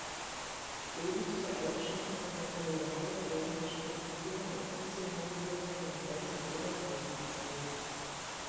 Wesentliche Eigenschaften von Materialien werden durch Strukturierung und Funktionalisierung von Grenz- und Oberflächen erzielt.